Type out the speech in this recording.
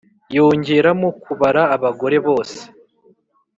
yongeramo kubara abagore bose